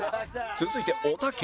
続いておたけ